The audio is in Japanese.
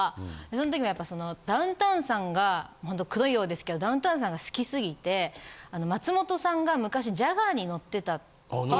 そん時もやっぱそのダウンタウンさんがほんとくどいようですけどダウンタウンさんが好き過ぎて松本さんが昔ジャガーに乗ってたって。